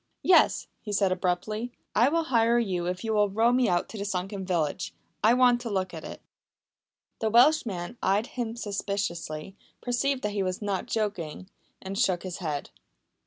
"Yes," he said abruptly. "I will hire your boat if you will row me out to the sunken village. I want to look at it." The Welshman eyed him suspiciously, perceived that he was not joking, and shook his head.